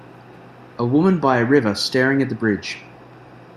a woman by a river staring at the bridge